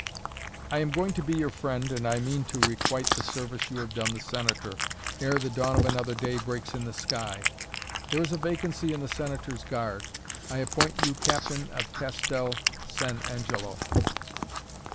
"I am going to be your friend and I mean to requite the service you have done the Senator, ere the dawn of another day breaks in the sky. There is a vacancy in the Senator's guard. I appoint you captain of Castel San Angelo."